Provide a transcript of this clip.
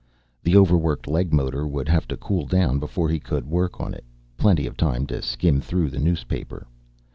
The overworked leg motor would have to cool down before he could work on it, plenty of time to skim through the newspaper.